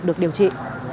được điều trị